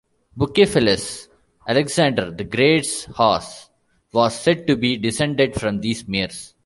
Bucephalus, Alexander the Great's horse, was said to be descended from these mares.